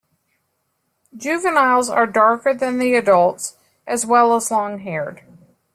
Juveniles are darker than the adults as well as long-haired.